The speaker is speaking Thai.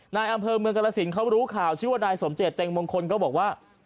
นายอำเภอเมืองกรสินเขารู้ข่าวชื่อว่านายสมเจตเต็งมงคลก็บอกว่า